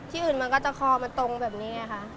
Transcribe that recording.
อื่นมันก็จะคอมันตรงแบบนี้ไงคะ